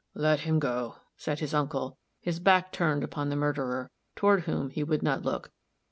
"Let him go," said the uncle, his back turned upon the murderer, toward whom he would not look.